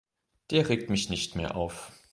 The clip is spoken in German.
Der regt mich nicht mehr auf.